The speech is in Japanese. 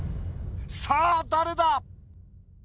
さぁ誰だ？